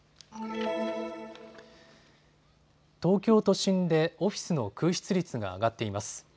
東京都心でオフィスの空室率が上がっています。